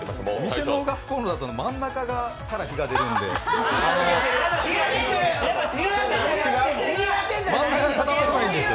店のガスコンロだと、真ん中から火が出るので、真ん中固まらないんですよ。